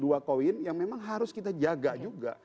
dua koin yang memang harus kita jaga juga